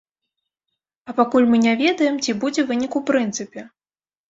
А пакуль мы не ведаем, ці будзе вынік у прынцыпе.